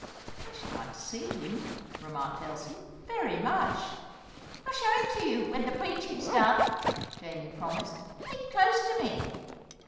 "I should like to see him," remarked Elsie, "very much." "I'll show him to you, when the pweachin's done," Jamie promised. "Keep close to me."